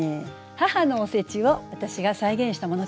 母のおせちを私が再現したものです。